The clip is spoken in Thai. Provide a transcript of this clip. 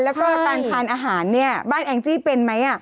แล้วก็การทานอาหารเนี่ยบ้านแองจี้เป็นไหม